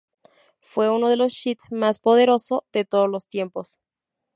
Fue uno de los sith más poderoso de todos los tiempos.